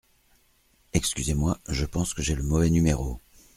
Excusez-moi, je pense que j’ai le mauvais numéro.